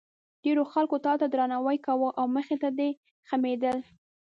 ډېرو خلکو تا ته درناوی کاوه او مخې ته دې خمېدل.